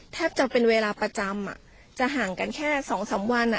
แทบจะเป็นเวลาประจำอ่ะจะห่างกันแค่สองสามวันอ่ะ